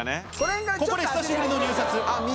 ここで久しぶりの入札。